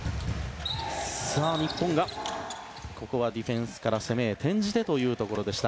日本がここはディフェンスから攻めへ転じてというところでした。